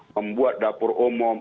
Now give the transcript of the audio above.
membuat dapur umum